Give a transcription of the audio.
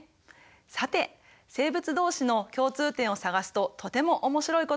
さて生物同士の共通点を探すととても面白いことが見えてきます。